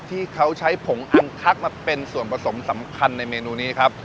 ที่เขาใช้ผงอังคักมาเป็นส่วนผสมสำคัญในเมนูนี้ครับ